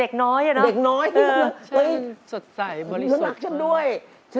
เด็กน้อยอะเนอะ